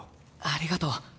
ありがとう。